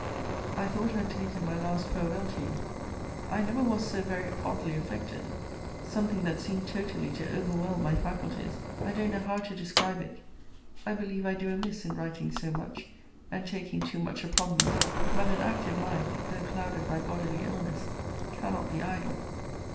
I thought I had taken my last farewell to you. I never was so very oddly affected: something that seemed totally to overwhelm my faculties I don't know how to describe it I believe I do amiss in writing so much, and taking too much upon me: but an active mind, though clouded by bodily illness, cannot be idle.